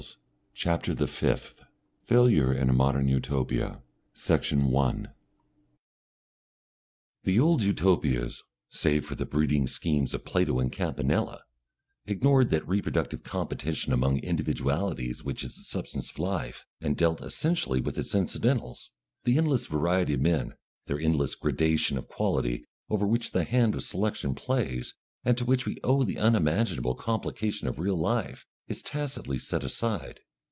CHAPTER THE FIFTH Failure in a Modern Utopia Section 1 The old Utopias save for the breeding schemes of Plato and Campanella ignored that reproductive competition among individualities which is the substance of life, and dealt essentially with its incidentals. The endless variety of men, their endless gradation of quality, over which the hand of selection plays, and to which we owe the unmanageable complication of real life, is tacitly set aside.